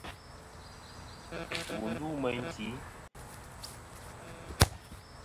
Wù ndu meyn tì.